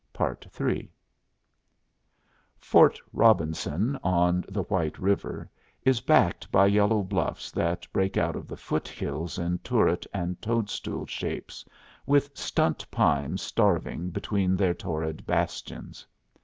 III Fort Robinson, on the White River, is backed by yellow bluffs that break out of the foot hills in turret and toadstool shapes, with stunt pines starving between their torrid bastions.